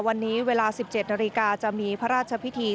วันนี้เวลา๑๗นาฬิกาจะมีพระราชพิธี